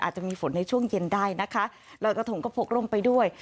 จะมีฝนในช่วงเย็นได้นะคะลอยกระทงก็พกร่มไปด้วย